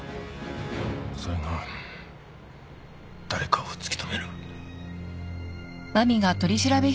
それが誰かを突き止める。